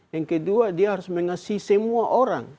yang kedua dia harus mengasih semua orang